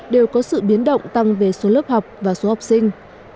đều có sự biến động tăng về số lớp học và số học sinh